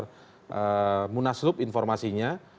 begitu akan menggelar munaslub informasinya